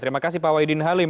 terima kasih pak wahidin halim